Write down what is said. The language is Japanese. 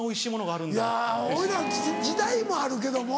俺ら時代もあるけども。